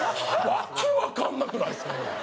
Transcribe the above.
訳わかんなくないですか？